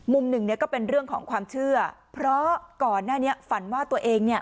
มุมหนึ่งเนี่ยก็เป็นเรื่องของความเชื่อเพราะก่อนหน้านี้ฝันว่าตัวเองเนี่ย